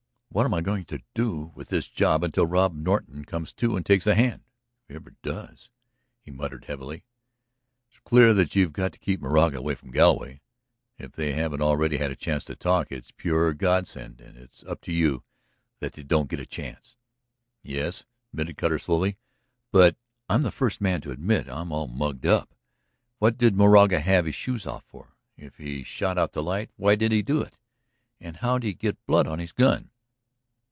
What am I going to do with this job until Rod Norton comes to and takes a hand ... if he ever does," he muttered heavily. "It's clear that you've got to keep Moraga away from Galloway; if they haven't already had a chance to talk it's a pure Godsend and it's up to you that they don't get that chance." "Yes,", admitted Cutter slowly. "But I'm the first man to admit that I'm all muggled up. What did Moraga have his shoes off for? If he shot out the light, why did he do it? And how'd he get blood on his gun?"